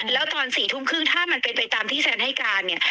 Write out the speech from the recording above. แล้วตอน๔ทุ่มครึ่งถ้ามันเป็นไปตามที่แซนให้การเนี่ย